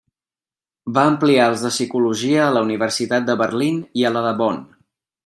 Va ampliar els de Psicologia a la Universitat de Berlín i la de Bonn.